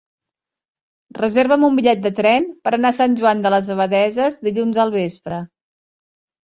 Reserva'm un bitllet de tren per anar a Sant Joan de les Abadesses dilluns al vespre.